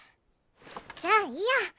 じゃあいいや。